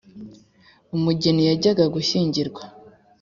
“umugeni yajyaga gushyingirwa